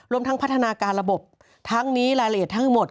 รวมทั้งพัฒนาการระบบทั้งนี้รายละเอียดทั้งหมด